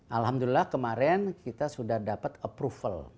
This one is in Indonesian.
alhamdulillah kemarin kita sudah dapat approval